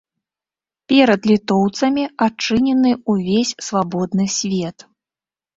Перад літоўцамі адчынены ўвесь свабодны свет.